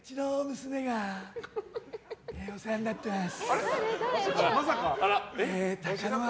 娘がお世話になってます。